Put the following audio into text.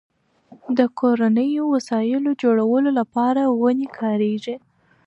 د کورنیو وسایلو جوړولو لپاره ونې کارېږي.